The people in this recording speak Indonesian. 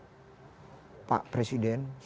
saya memohon sepuluh jari kepada bapak joko widodo